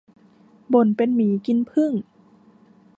บ่นเป็นหมีกินผึ้ง